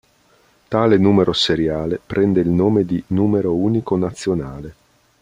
Tale numero seriale prende il nome di "numero unico nazionale".